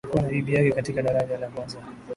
alikuwa na bibi yake katika daraja la kwanza